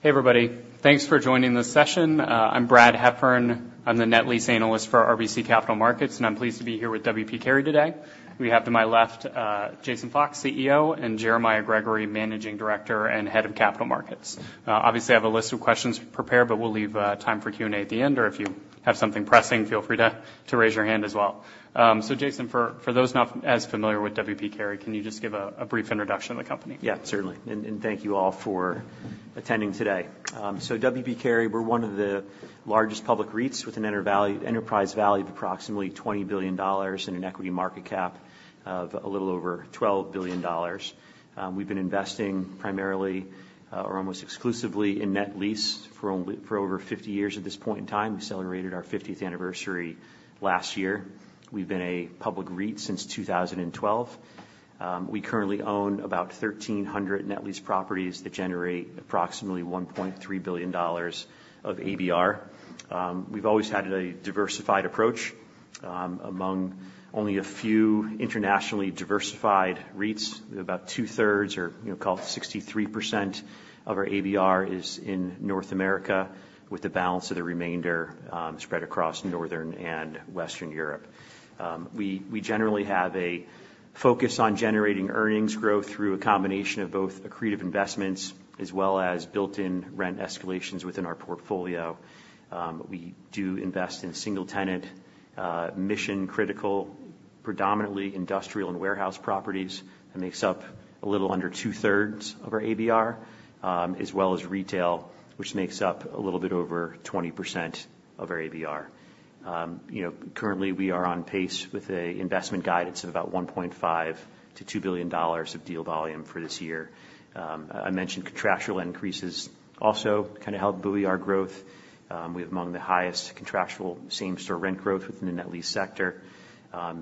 Hey, everybody. Thanks for joining this session. I'm Brad Heffern. I'm the net lease analyst for RBC Capital Markets, and I'm pleased to be here with W. P. Carey today. We have to my left Jason Fox, CEO, and Jeremiah Gregory, Managing Director and Head of Capital Markets. Obviously, I have a list of questions prepared, but we'll leave time for Q&A at the end, or if you have something pressing, feel free to raise your hand as well. So Jason, for those not as familiar with W. P. Carey, can you just give a brief introduction of the company? Yeah, certainly. And thank you all for attending today. So W. P. Carey, we're one of the largest public REITs with an enterprise value of approximately $20 billion and an equity market cap of a little over $12 billion. We've been investing primarily or almost exclusively in net lease for over 50 years at this point in time. We celebrated our 50th anniversary last year. We've been a public REIT since 2012. We currently own about 1,300 net lease properties that generate approximately $1.3 billion of ABR. We've always had a diversified approach, among only a few internationally diversified REITs. About two-thirds or, you know, call it 63% of our ABR is in North America, with the balance of the remainder spread across Northern and Western Europe. We generally have a focus on generating earnings growth through a combination of both accretive investments as well as built-in rent escalations within our portfolio. We do invest in single-tenant, mission-critical, predominantly industrial and warehouse properties. That makes up a little under two-thirds of our ABR, as well as retail, which makes up a little bit over 20% of our ABR. You know, currently, we are on pace with a investment guidance of about $1.5 billion-$2 billion of deal volume for this year. I mentioned contractual increases also kinda help buoy our growth. We have among the highest contractual same-store rent growth within the net lease sector.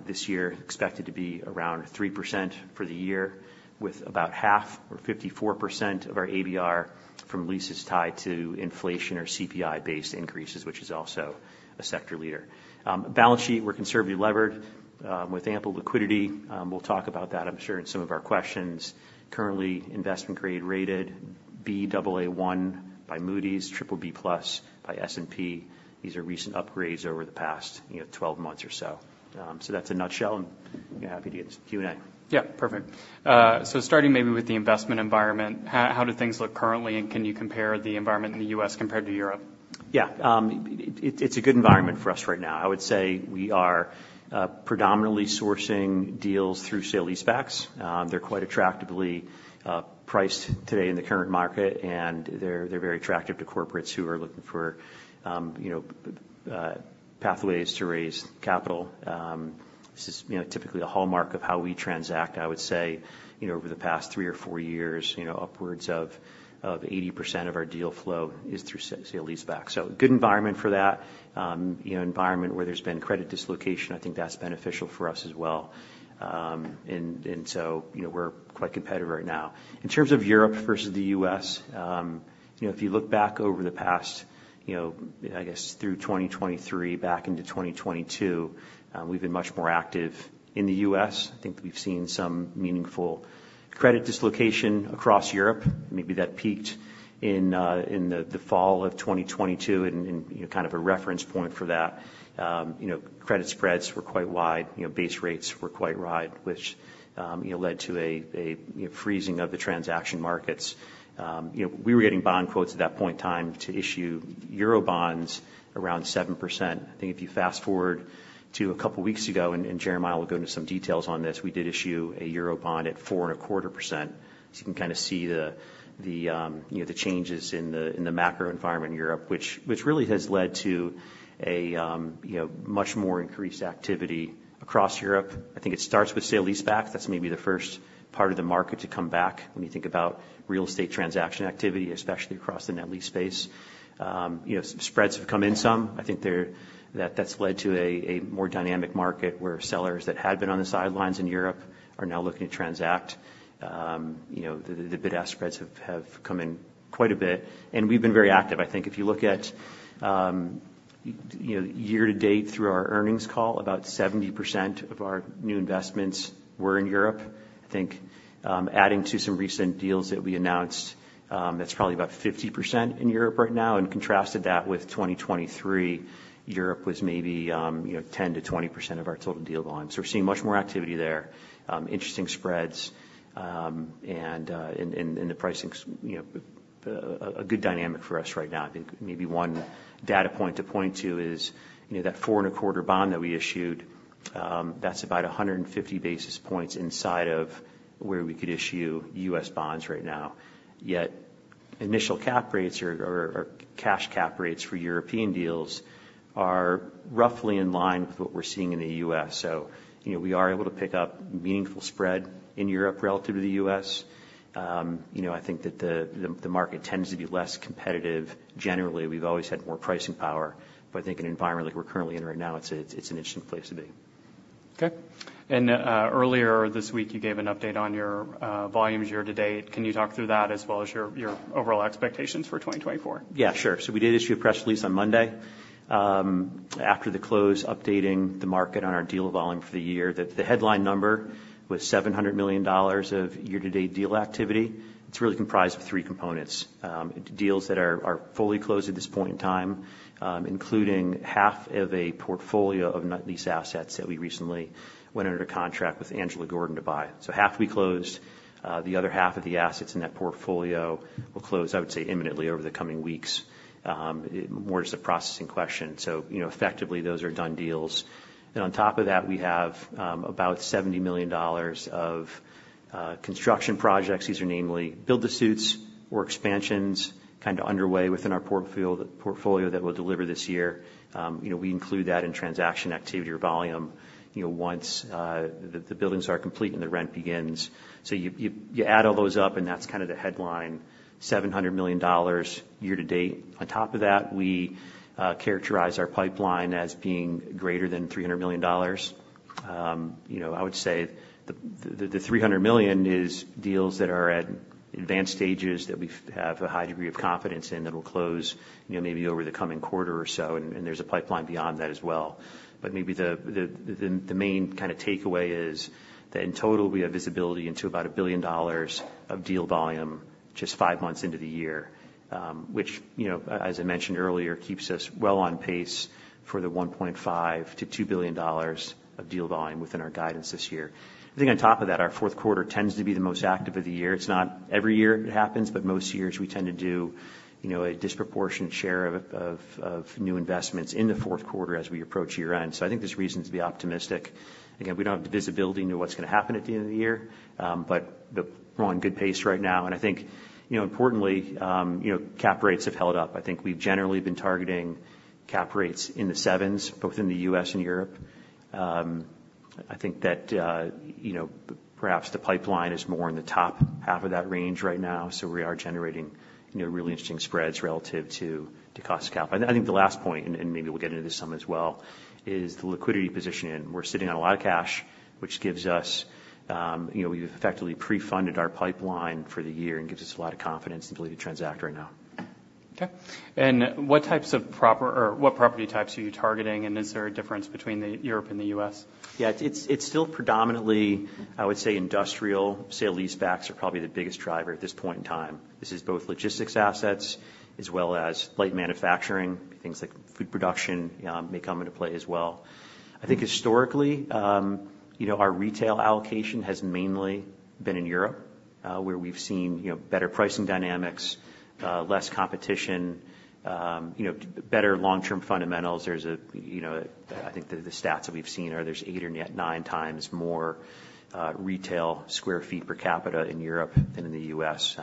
This year expected to be around 3% for the year, with about half or 54% of our ABR from leases tied to inflation or CPI-based increases, which is also a sector leader. Balance sheet, we're conservatively levered with ample liquidity. We'll talk about that, I'm sure, in some of our questions. Currently, investment-grade rated Baa1 by Moody's, BBB+ by S&P. These are recent upgrades over the past, you know, 12 months or so. So that's a nutshell, and happy to get into Q&A. Yeah, perfect. So starting maybe with the investment environment, how do things look currently, and can you compare the environment in the U.S. compared to Europe? Yeah, it's a good environment for us right now. I would say we are predominantly sourcing deals through sale-leasebacks. They're quite attractively priced today in the current market, and they're very attractive to corporates who are looking for, you know, pathways to raise capital. This is, you know, typically a hallmark of how we transact. I would say, you know, over the past three or four years, you know, upwards of 80% of our deal flow is through sale-leaseback. So good environment for that. You know, environment where there's been credit dislocation, I think that's beneficial for us as well. And so, you know, we're quite competitive right now. In terms of Europe versus the U.S., you know, if you look back over the past, you know, I guess through 2023, back into 2022, we've been much more active in the U.S. I think we've seen some meaningful credit dislocation across Europe. Maybe that peaked in the fall of 2022, and you know, kind of a reference point for that. You know, credit spreads were quite wide, you know, base rates were quite wide, which you know led to a you know freezing of the transaction markets. You know, we were getting bond quotes at that point in time to issue Eurobonds around 7%. I think if you fast-forward to a couple weeks ago, and Jeremiah will go into some details on this, we did issue a Eurobond at 4.25%. So you can kinda see the changes in the macro environment in Europe, which really has led to much more increased activity across Europe. I think it starts with sale-leaseback. That's maybe the first part of the market to come back when you think about real estate transaction activity, especially across the net lease space. You know, spreads have come in some. I think they're. That's led to a more dynamic market, where sellers that had been on the sidelines in Europe are now looking to transact. You know, the bid-ask spreads have come in quite a bit, and we've been very active. I think if you look at year to date through our earnings call, about 70% of our new investments were in Europe. I think, adding to some recent deals that we announced, that's probably about 50% in Europe right now, and contrasted that with 2023, Europe was maybe, you know, 10%-20% of our total deal volume. So we're seeing much more activity there, interesting spreads, and the pricing's, you know, a good dynamic for us right now. I think maybe one data point to point to is, you know, that 4.25 bond that we issued, that's about 150 basis points inside of where we could issue U.S. bonds right now. Yet, initial cap rates or cash cap rates for European deals are roughly in line with what we're seeing in the U.S. So, you know, we are able to pick up meaningful spread in Europe relative to the U.S. You know, I think that the market tends to be less competitive. Generally, we've always had more pricing power, but I think an environment like we're currently in right now, it's an interesting place to be. Okay. And earlier this week, you gave an update on your volumes year to date. Can you talk through that as well as your, your overall expectations for 2024? Yeah, sure. So we did issue a press release on Monday after the close, updating the market on our deal volume for the year. The headline number was $700 million of year-to-date deal activity. It's really comprised of three components. Deals that are fully closed at this point in time, including half of a portfolio of net lease assets that we recently went under a contract with Angelo Gordon to buy. So half we closed. The other half of the assets in that portfolio will close, I would say, imminently over the coming weeks. More just a processing question. So, you know, effectively, those are done deals. And on top of that, we have about $70 million of construction projects. These are namely build-to-suits or expansions kind of underway within our portfolio that we'll deliver this year. You know, we include that in transaction activity or volume, you know, once the buildings are complete, and the rent begins. So you add all those up, and that's kind of the headline, $700 million year to date. On top of that, we characterize our pipeline as being greater than $300 million. You know, I would say the $300 million is deals that are at advanced stages that we have a high degree of confidence in, that'll close, you know, maybe over the coming quarter or so, and there's a pipeline beyond that as well. But maybe the main kind of takeaway is that in total, we have visibility into about $1 billion of deal volume just five months into the year, which, you know, as I mentioned earlier, keeps us well on pace for the $1.5 billion-$2 billion of deal volume within our guidance this year. I think on top of that, our fourth quarter tends to be the most active of the year. It's not every year it happens, but most years we tend to do, you know, a disproportionate share of new investments in the fourth quarter as we approach year-end. So I think there's reasons to be optimistic. Again, we don't have the visibility into what's gonna happen at the end of the year, but we're on good pace right now. And I think, you know, importantly, you know, cap rates have held up. I think we've generally been targeting cap rates in the sevens, both in the U.S. and Europe. I think that, you know, perhaps the pipeline is more in the top half of that range right now, so we are generating, you know, really interesting spreads relative to, to cost of capital. And I think the last point, and, and maybe we'll get into this some as well, is the liquidity position, and we're sitting on a lot of cash, which gives us, you know, we've effectively pre-funded our pipeline for the year and gives us a lot of confidence and ability to transact right now. Okay. And what types of properties or what property types are you targeting, and is there a difference between Europe and the U.S.? Yeah, it's, it's still predominantly, I would say, industrial. Sale-leasebacks are probably the biggest driver at this point in time. This is both logistics assets as well as light manufacturing. Things like food production may come into play as well. I think historically, you know, our retail allocation has mainly been in Europe, where we've seen, you know, better pricing dynamics, less competition, you know, better long-term fundamentals. There's a, you know, I think the, the stats that we've seen are there's eight or nine times more, retail square feet per capita in Europe than in the U.S.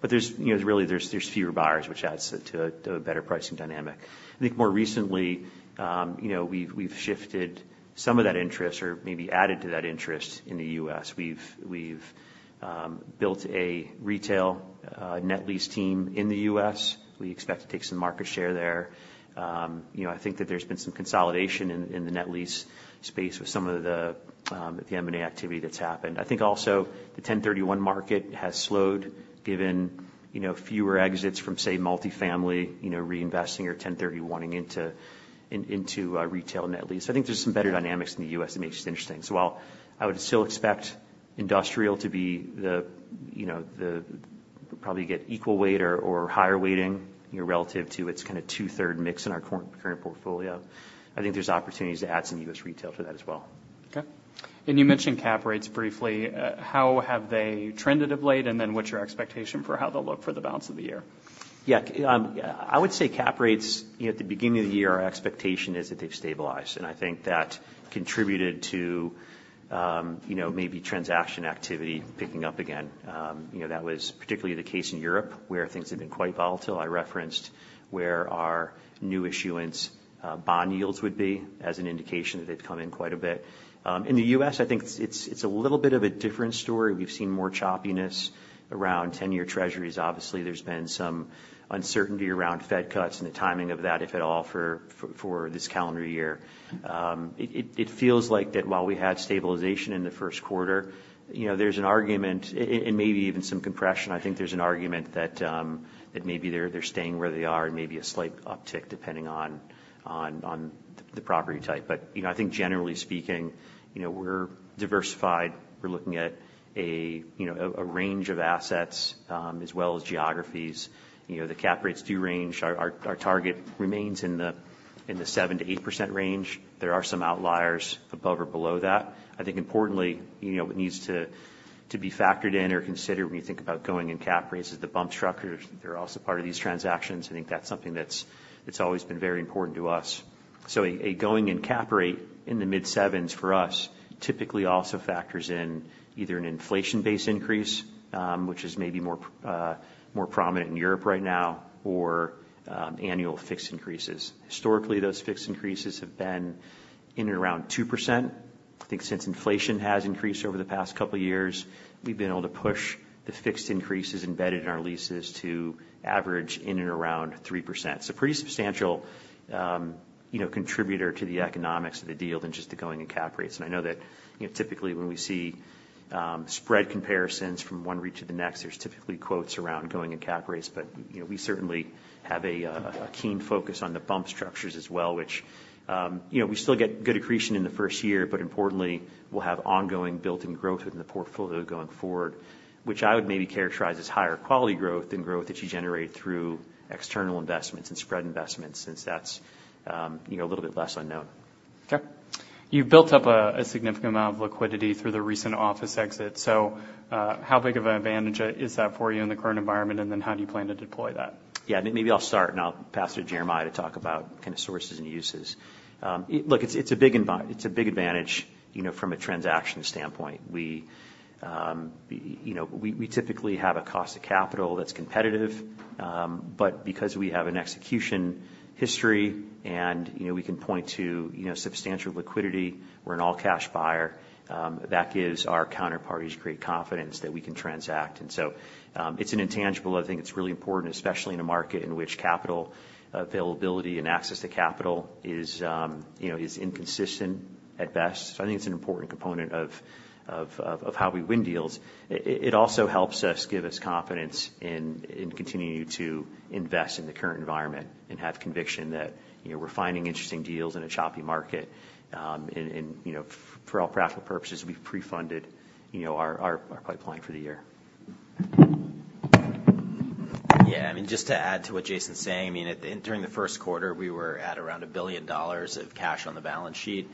But there's, you know, really there's, there's fewer buyers, which adds to, to a better pricing dynamic. I think more recently, you know, we've, we've shifted some of that interest or maybe added to that interest in the U.S. We've built a retail net lease team in the U.S. We expect to take some market share there. You know, I think that there's been some consolidation in the net lease space with some of the the M&A activity that's happened. I think also the 1031 market has slowed given, you know, fewer exits from, say, multifamily, you know, reinvesting or 1031ing into retail net lease. I think there's some better dynamics in the U.S. that may be just interesting. So while I would still expect industrial to be the, you know, the probably get equal weight or higher weighting, you know, relative to its kind of two-thirds mix in our current portfolio. I think there's opportunities to add some U.S. retail to that as well. Okay. You mentioned cap rates briefly. How have they trended of late, and then what's your expectation for how they'll look for the balance of the year? Yeah, I would say cap rates, you know, at the beginning of the year, our expectation is that they've stabilized, and I think that contributed to, you know, maybe transaction activity picking up again. You know, that was particularly the case in Europe, where things have been quite volatile. I referenced where our new issuance, bond yields would be as an indication that they've come in quite a bit. In the U.S., I think it's a little bit of a different story. We've seen more choppiness around 10-year Treasuries. Obviously, there's been some uncertainty around Fed cuts and the timing of that, if at all, for this calendar year. It feels like that while we had stabilization in the first quarter, you know, there's an argument... and maybe even some compression. I think there's an argument that maybe they're staying where they are and maybe a slight uptick, depending on the property type. But, you know, I think generally speaking, you know, we're diversified. We're looking at a range of assets as well as geographies. You know, the cap rates do range. Our target remains in the 7%-8% range. There are some outliers above or below that. I think importantly, you know, what needs to be factored in or considered when you think about going-in cap rates is the bump structure. They're also part of these transactions. I think that's something that's always been very important to us. So a going-in cap rate in the mid-7s for us typically also factors in either an inflation-based increase, which is maybe more prominent in Europe right now, or annual fixed increases. Historically, those fixed increases have been in and around 2%. I think since inflation has increased over the past couple of years, we've been able to push the fixed increases embedded in our leases to average in and around 3%. So pretty substantial, you know, contributor to the economics of the deal than just the going-in cap rates. And I know that, you know, typically, when we see spread comparisons from one REIT to the next, there's typically quotes around going-in cap rates. But, you know, we certainly have a keen focus on the bump structures as well, which, you know, we still get good accretion in the first year, but importantly, we'll have ongoing built-in growth within the portfolio going forward. Which I would maybe characterize as higher quality growth than growth that you generate through external investments and spread investments, since that's, you know, a little bit less unknown. Okay. You've built up a significant amount of liquidity through the recent office exit. So, how big of an advantage is that for you in the current environment, and then how do you plan to deploy that? Yeah, maybe I'll start, and I'll pass to Jeremiah to talk about kind of sources and uses. Look, it's a big advantage, you know, from a transaction standpoint. We, you know, we typically have a cost of capital that's competitive, but because we have an execution history, and, you know, we can point to, you know, substantial liquidity, we're an all-cash buyer, that gives our counterparties great confidence that we can transact. And so, it's an intangible. I think it's really important, especially in a market in which capital availability and access to capital is, you know, is inconsistent at best. So I think it's an important component of how we win deals. It also helps us give us confidence in continuing to invest in the current environment and have conviction that, you know, we're finding interesting deals in a choppy market. And, you know, for all practical purposes, we've pre-funded, you know, our pipeline for the year. Yeah, I mean, just to add to what Jason's saying, I mean, at the, during the first quarter, we were at around $1 billion of cash on the balance sheet.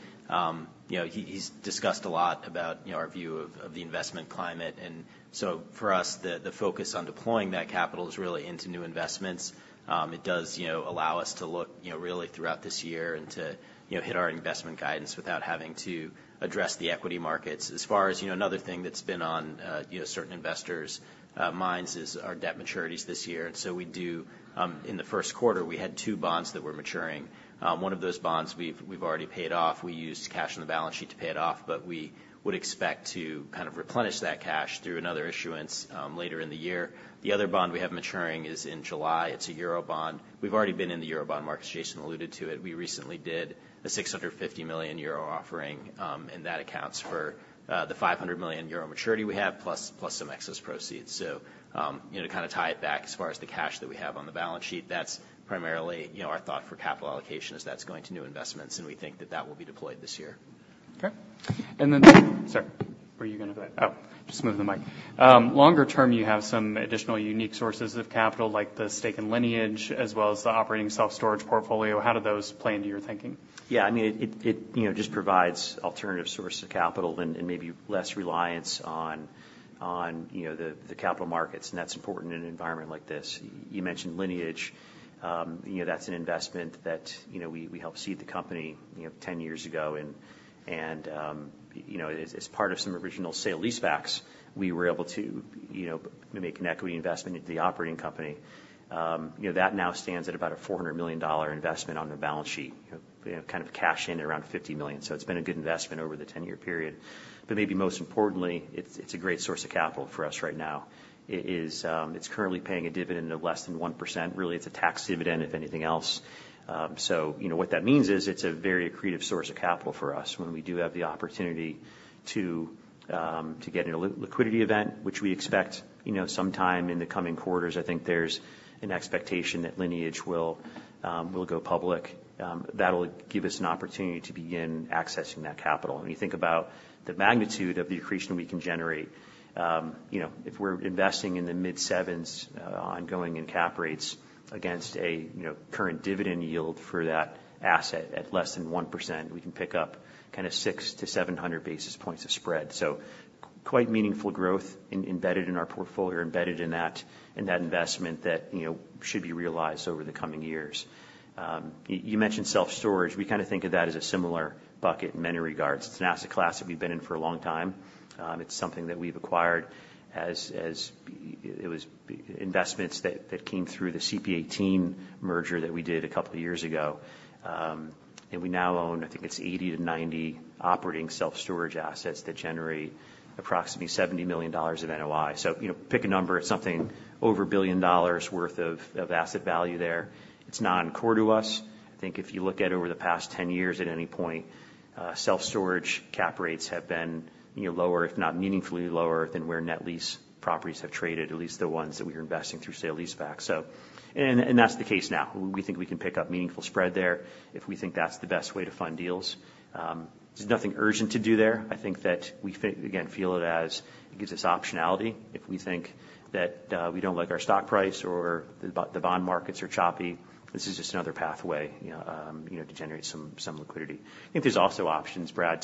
You know, he's discussed a lot about, you know, our view of the investment climate. And so for us, the focus on deploying that capital is really into new investments. It does, you know, allow us to look, you know, really throughout this year and to, you know, hit our investment guidance without having to address the equity markets. As far as, you know, another thing that's been on, you know, certain investors' minds, is our debt maturities this year. And so we do, in the first quarter, we had two bonds that were maturing. One of those bonds we've already paid off. We used cash on the balance sheet to pay it off, but we would expect to kind of replenish that cash through another issuance, later in the year. The other bond we have maturing is in July. It's a Eurobond. We've already been in the Eurobond market. Jason alluded to it. We recently did a 650 million euro offering, and that accounts for, the 500 million euro maturity we have, plus, plus some excess proceeds. So, you know, to kind of tie it back as far as the cash that we have on the balance sheet, that's primarily, you know, our thought for capital allocation, is that's going to new investments, and we think that that will be deployed this year. Okay. And then, sir, were you gonna go? Oh, just moving the mic. Longer term, you have some additional unique sources of capital, like the stake in Lineage, as well as the operating self-storage portfolio. How do those play into your thinking? Yeah, I mean, it you know, just provides alternative sources of capital and maybe less reliance on you know, the capital markets, and that's important in an environment like this. You mentioned Lineage. You know, that's an investment that you know, we helped seed the company you know, 10 years ago, and you know, as part of some original sale-leasebacks, we were able to you know, make an equity investment into the operating company. You know, that now stands at about a $400 million investment on the balance sheet. You know, kind of cashed in around $50 million. So it's been a good investment over the 10-year period. But maybe most importantly, it's a great source of capital for us right now. It is, it's currently paying a dividend of less than 1%. Really, it's a tax dividend, if anything else. So you know, what that means is, it's a very accretive source of capital for us when we do have the opportunity to get in a liquidity event, which we expect, you know, sometime in the coming quarters. I think there's an expectation that Lineage will go public. That'll give us an opportunity to begin accessing that capital. When you think about the magnitude of the accretion we can generate, you know, if we're investing in the mid-sevens, ongoing in cap rates against a current dividend yield for that asset at less than 1%, we can pick up kind of 600-700 basis points of spread. So quite meaningful growth embedded in our portfolio, embedded in that investment that, you know, should be realized over the coming years. You mentioned self-storage. We kind of think of that as a similar bucket in many regards. It's an asset class that we've been in for a long time. It's something that we've acquired as. It was investments that came through the CPA:18 merger that we did a couple of years ago. And we now own, I think it's 80-90 operating self-storage assets that generate approximately $70 million of NOI. So, you know, pick a number. It's something over $1 billion worth of asset value there. It's non-core to us. I think if you look at over the past 10 years, at any point, self-storage cap rates have been, you know, lower, if not meaningfully lower than where net lease properties have traded, at least the ones that we are investing through sale-leaseback. So, that's the case now. We think we can pick up meaningful spread there if we think that's the best way to fund deals. There's nothing urgent to do there. I think that we again feel it as it gives us optionality. If we think that we don't like our stock price or the bond markets are choppy, this is just another pathway, you know, you know, to generate some liquidity. I think there's also options, Brad,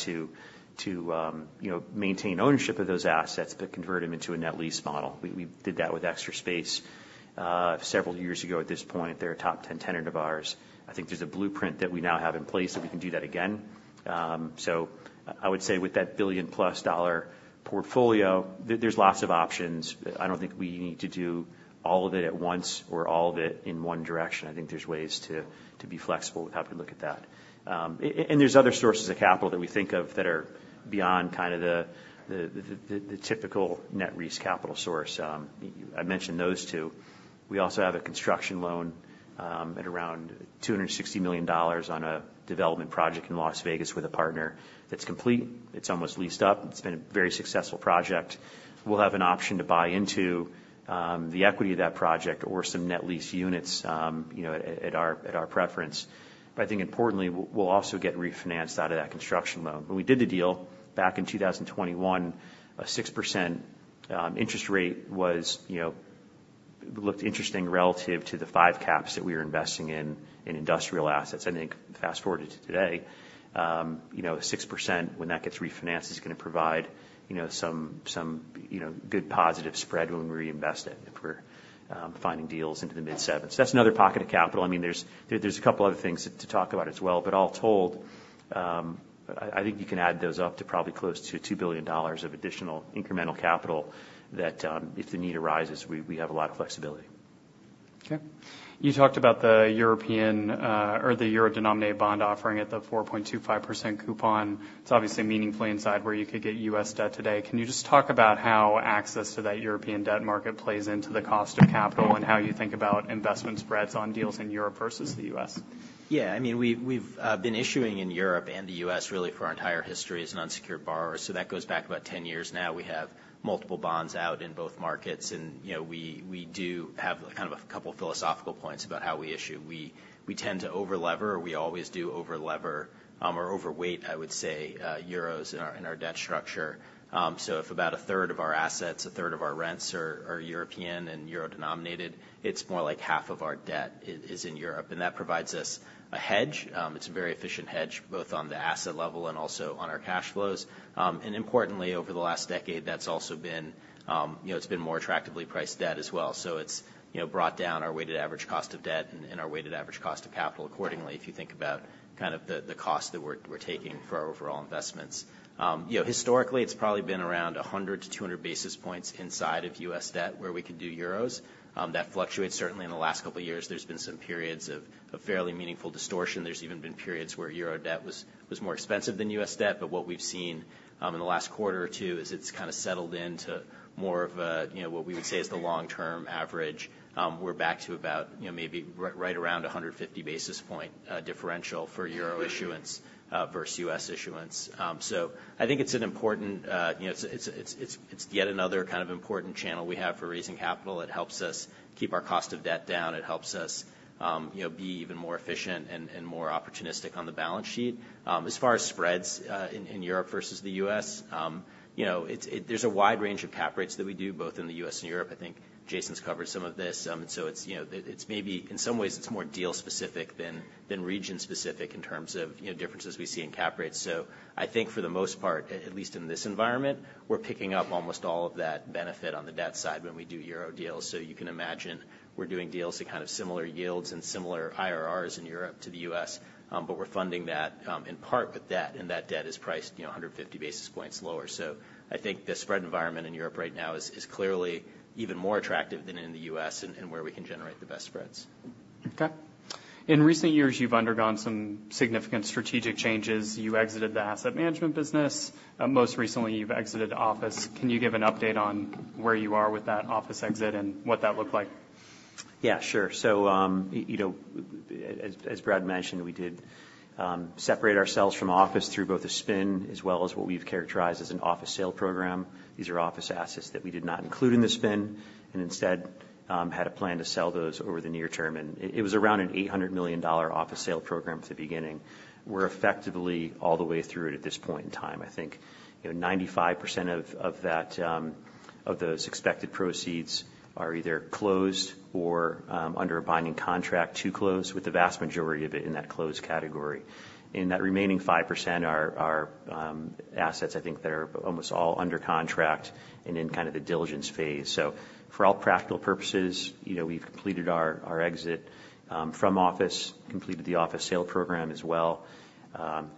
to, you know, maintain ownership of those assets, but convert them into a net lease model. We did that with Extra Space several years ago at this point. They're a top ten tenant of ours. I think there's a blueprint that we now have in place, and we can do that again. So I would say with that $1 billion-plus portfolio, there's lots of options. I don't think we need to do all of it at once or all of it in one direction. I think there's ways to be flexible with how we look at that. And there's other sources of capital that we think of that are beyond kind of the typical net lease capital source. I mentioned those two. We also have a construction loan at around $260 million on a development project in Las Vegas with a partner. It's complete, it's almost leased up. It's been a very successful project. We'll have an option to buy into the equity of that project or some net lease units, you know, at our preference. But I think importantly, we'll also get refinanced out of that construction loan. When we did the deal back in 2021, a 6% interest rate was, you know, looked interesting relative to the 5 caps that we were investing in industrial assets. I think fast-forwarded to today, you know, 6%, when that gets refinanced, is gonna provide, you know, some good positive spread when we reinvest it, if we're finding deals into the mid-7s. That's another pocket of capital. I mean, there's a couple other things to talk about as well. But all told, I think you can add those up to probably close to $2 billion of additional incremental capital that, if the need arises, we have a lot of flexibility. Okay. You talked about the European or the euro-denominated bond offering at the 4.25% coupon. It's obviously meaningfully inside where you could get U.S. debt today. Can you just talk about how access to that European debt market plays into the cost of capital, and how you think about investment spreads on deals in Europe versus the U.S.? Yeah. I mean, we've been issuing in Europe and the U.S. really for our entire history as an unsecured borrower, so that goes back about 10 years now. We have multiple bonds out in both markets, and, you know, we do have kind of a couple philosophical points about how we issue. We tend to over-lever, or we always do over-lever, or overweight, I would say, euros in our, in our debt structure. So if about a third of our assets, a third of our rents are European and euro-denominated, it's more like half of our debt is in Europe, and that provides us a hedge. It's a very efficient hedge, both on the asset level and also on our cash flows. And importantly, over the last decade, that's also been, you know, it's been more attractively priced debt as well. So it's, you know, brought down our weighted average cost of debt and, and our weighted average cost of capital accordingly, if you think about kind of the, the cost that we're, we're taking for our overall investments. You know, historically, it's probably been around 100-200 basis points inside of U.S. debt, where we can do euros. That fluctuates. Certainly, in the last couple of years, there's been some periods of, of fairly meaningful distortion. There's even been periods where euro debt was, was more expensive than U.S. debt. But what we've seen, in the last quarter or two, is it's kind of settled into more of a, you know, what we would say is the long-term average. We're back to about, you know, maybe right around 150 basis point differential for euro issuance versus U.S. issuance. So I think it's an important, you know, yet another kind of important channel we have for raising capital. It helps us keep our cost of debt down. It helps us, you know, be even more efficient and more opportunistic on the balance sheet. As far as spreads in Europe versus the U.S., you know, there's a wide range of cap rates that we do, both in the US and Europe. I think Jason's covered some of this. So it's, you know, maybe in some ways, it's more deal specific than region specific in terms of, you know, differences we see in cap rates. So I think for the most part, at least in this environment, we're picking up almost all of that benefit on the debt side when we do euro deals. So you can imagine, we're doing deals to kind of similar yields and similar IRRs in Europe to the U.S., but we're funding that, in part with debt, and that debt is priced, you know, 150 basis points lower. So I think the spread environment in Europe right now is clearly even more attractive than in the U.S. and where we can generate the best spreads. Okay. In recent years, you've undergone some significant strategic changes. You exited the asset management business. Most recently, you've exited office. Can you give an update on where you are with that office exit and what that looked like? Yeah, sure. So, you know, as Brad mentioned, we did separate ourselves from office through both the spin as well as what we've characterized as an office sale program. These are office assets that we did not include in the spin, and instead, had a plan to sell those over the near term. And it was around an $800 million office sale program at the beginning. We're effectively all the way through it at this point in time. I think, you know, 95% of that, of those expected proceeds are either closed or under a binding contract to close, with the vast majority of it in that closed category. In that remaining 5% are assets, I think, that are almost all under contract and in kind of the diligence phase. So for all practical purposes, you know, we've completed our exit from office, completed the office sale program as well.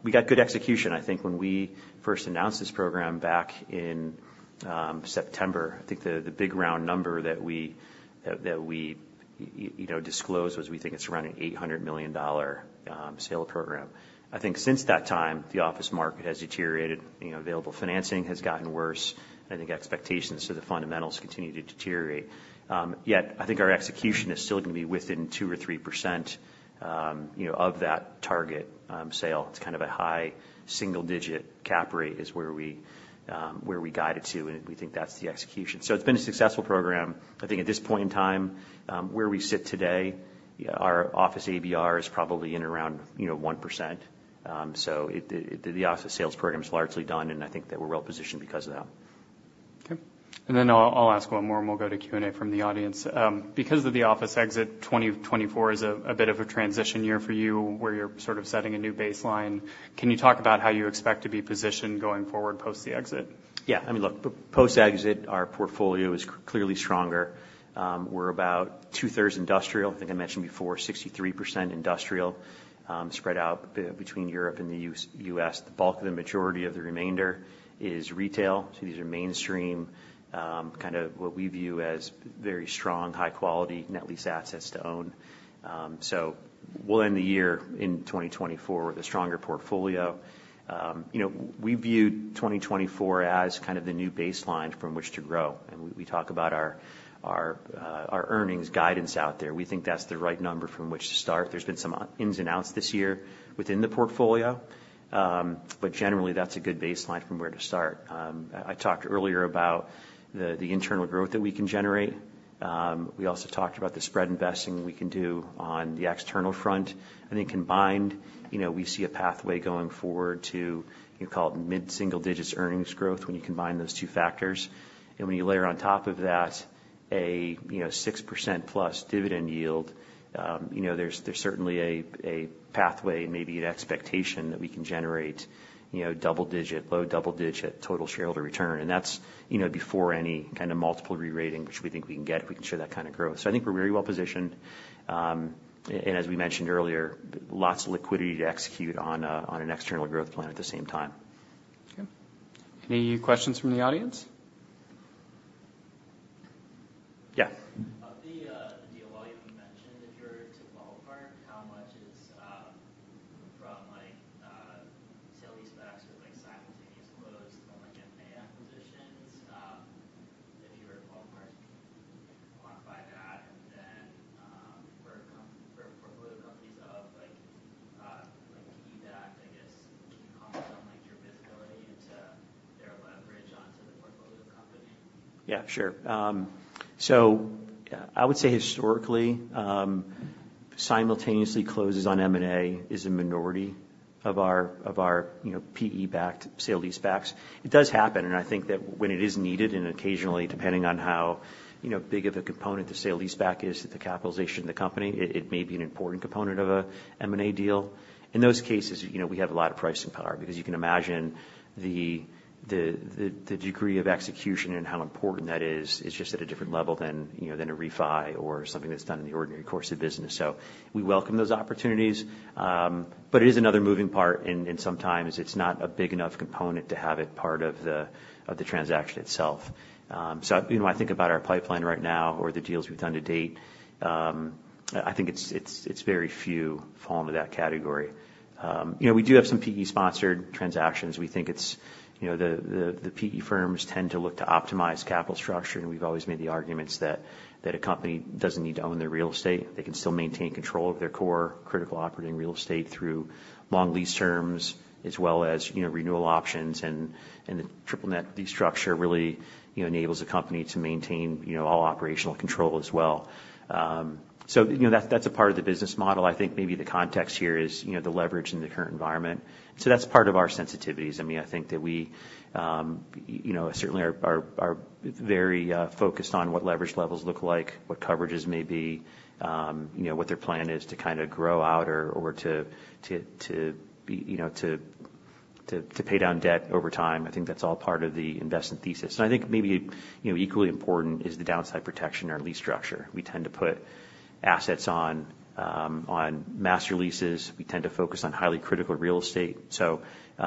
We got good execution. I think when we first announced this program back in September, I think the big round number that we you know disclosed was, we think it's around an $800 million sale program. I think since that time, the office market has deteriorated. You know, available financing has gotten worse, and I think expectations to the fundamentals continue to deteriorate. Yet, I think our execution is still gonna be within 2% or 3%, you know, of that target sale. It's kind of a high single-digit cap rate is where we guided to, and we think that's the execution. So it's been a successful program. I think at this point in time, where we sit today, our office ABR is probably in around, you know, 1%. So, the office sales program is largely done, and I think that we're well positioned because of that. Okay. And then I'll ask one more, and we'll go to Q&A from the audience. Because of the office exit, 2024 is a bit of a transition year for you, where you're sort of setting a new baseline. Can you talk about how you expect to be positioned going forward, post the exit? Yeah. I mean, look, post-exit, our portfolio is clearly stronger. We're about two-thirds industrial. I think I mentioned before, 63% industrial, spread out between Europe and the U.S. The bulk of the majority of the remainder is retail, so these are mainstream, kind of what we view as very strong, high-quality net lease assets to own. We'll end the year in 2024 with a stronger portfolio. You know, we viewed 2024 as kind of the new baseline from which to grow, and we talk about our earnings guidance out there. We think that's the right number from which to start. There's been some ins and outs this year within the portfolio, but generally, that's a good baseline from where to start. I talked earlier about the internal growth that we can generate. We also talked about the spread investing we can do on the external front. I think combined, you know, we see a pathway going forward to, you call it, mid-single digits earnings growth when you combine those two factors. And when you layer on top of that, you know, 6%+ dividend yield, you know, there's certainly a pathway, maybe an expectation that we can generate, you know, double digit, low double digit total shareholder return. And that's, you know, before any kind of multiple rerating, which we think we can get if we can show that kind of growth. So I think we're very well positioned, and as we mentioned earlier, lots of liquidity to execute on an external growth plan at the same time. Okay. Any questions from the audience? Yes. Of the deal volume you mentioned, if you were to ballpark, how much is from like sale-leasebacks with like simultaneous close to more like M&A acquisitions, if you were to ballpark, quantify that, and then for portfolio companies of like PE-backed, I guess, can you comment on like your visibility into their leverage onto the portfolio company? Yeah, sure. So, I would say historically, simultaneously closes on M&A is a minority of our, you know, PE-backed sale-leasebacks. It does happen, and I think that when it is needed, and occasionally, depending on how, you know, big of a component the sale-leaseback is to the capitalization of the company, it may be an important component of a M&A deal. In those cases, you know, we have a lot of pricing power, because you can imagine the degree of execution and how important that is, is just at a different level than, you know, than a refi or something that's done in the ordinary course of business. So we welcome those opportunities, but it is another moving part, and sometimes it's not a big enough component to have it part of the transaction itself. So, you know, when I think about our pipeline right now or the deals we've done to date, I think it's very few fall into that category. You know, we do have some PE-sponsored transactions. We think it's, you know, the PE firms tend to look to optimize capital structure, and we've always made the arguments that a company doesn't need to own their real estate. They can still maintain control of their core critical operating real estate through long lease terms, as well as, you know, renewal options, and the triple net lease structure really, you know, enables a company to maintain, you know, all operational control as well. So, you know, that's a part of the business model. I think maybe the context here is, you know, the leverage in the current environment. So that's part of our sensitivities. I mean, I think that we, you know, certainly are very focused on what leverage levels look like, what coverages may be, you know, what their plan is to kind of grow out or to pay down debt over time. I think that's all part of the investment thesis. And I think maybe, you know, equally important is the downside protection in our lease structure. We tend to put assets on master leases. We tend to focus on highly critical real estate. So, you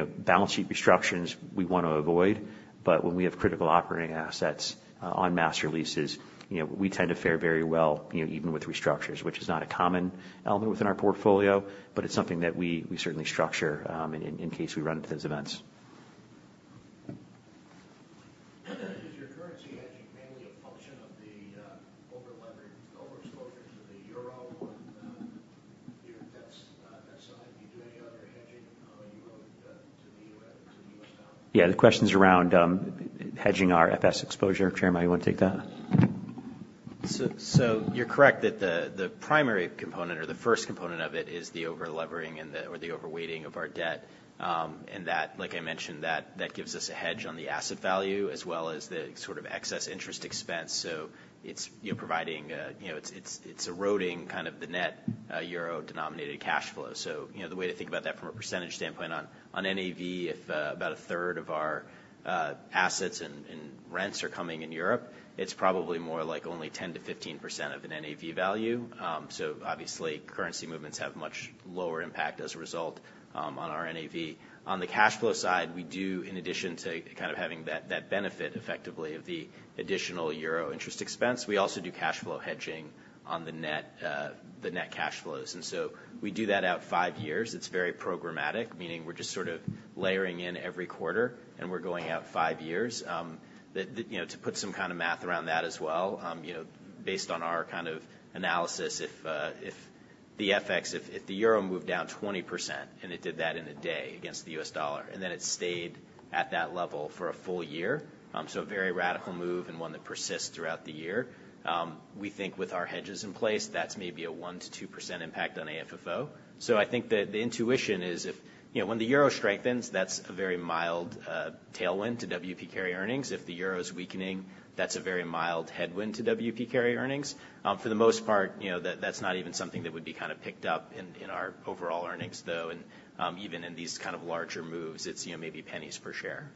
know, balance sheet restructurings, we want to avoid, but when we have critical operating assets on master leases, you know, we tend to fare very well, you know, even with restructures, which is not a common element within our portfolio, but it's something that we certainly structure in case we run into those events. Is your currency hedging mainly a function of the overexposure to the euro, and your debts that side? Do you do any other hedging, euro to the U.S. to the U.S. dollar? Yeah, the question's around, hedging our FX exposure. Jeremiah, you want to take that? So you're correct that the primary component or the first component of it is the overlevering and the or the overweighting of our debt. And that, like I mentioned, that gives us a hedge on the asset value as well as the sort of excess interest expense. So it's, you know, providing, you know, it's eroding kind of the net euro-denominated cash flow. So, you know, the way to think about that from a percentage standpoint, on NAV, if about a third of our assets and rents are coming in Europe, it's probably more like only 10-15% of an NAV value. So obviously, currency movements have much lower impact as a result on our NAV. On the cash flow side, we do, in addition to kind of having that, that benefit effectively of the additional euro interest expense, we also do cash flow hedging on the net, the net cash flows. And so we do that out five years. It's very programmatic, meaning we're just sort of layering in every quarter, and we're going out five years. You know, to put some kind of math around that as well, you know, based on our kind of analysis, if the FX, if the euro moved down 20%, and it did that in a day against the U.S. dollar, and then it stayed at that level for a full year, so a very radical move and one that persists throughout the year, we think with our hedges in place, that's maybe a 1%-2% impact on AFFO. So I think the intuition is if... You know, when the euro strengthens, that's a very mild tailwind to W. P. Carey earnings. If the euro is weakening, that's a very mild headwind to W. P. Carey earnings. For the most part, you know, that's not even something that would be kind of picked up in our overall earnings, though, and even in these kind of larger moves, it's, you know, maybe pennies per share.